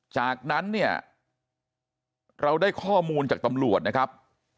จากนั้นเนี่ยเราได้ข้อมูลจากตำรวจนะครับ